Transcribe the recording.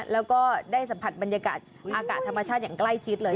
แล้วก็ได้สัมผัสบรรยากาศอากาศธรรมชาติอย่างใกล้ชิดเลย